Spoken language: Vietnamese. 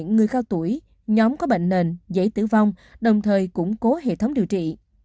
người cao tuổi nhóm có bệnh nền dễ tử vong đồng thời củng cố hệ thống điều trị